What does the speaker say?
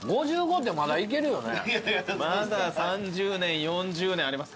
まだ３０年４０年ありますからね。